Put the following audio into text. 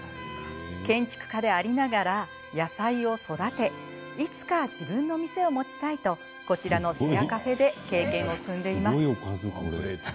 建築家でありながら野菜を育ていつか自分の店を持ちたいとこちらのシェアカフェで経験を積んでいます。